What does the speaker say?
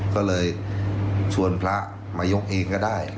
ก็เลยชวนพระมายกเองก็ได้